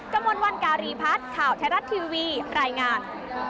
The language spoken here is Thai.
จมวลวันการีพัฒน์ข่าวแทรศทีวีรายงาน